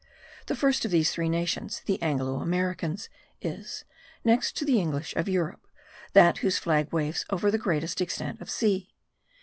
The first of these three nations, the Anglo Americans, is, next to the English of Europe, that whose flag waves over the greatest extent of sea.